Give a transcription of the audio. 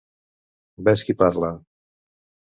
Ves qui parla!